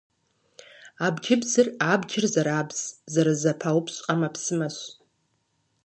Абджыбзыр - абджыр зэрабз, зэрызэпаупщӏ ӏэмэпсымэщ.